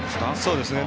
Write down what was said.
そうですね。